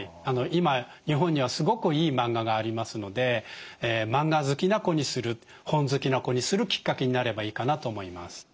今日本にはすごくいいマンガがありますのでマンガ好きな子にする本好きな子にするきっかけになればいいかなと思います。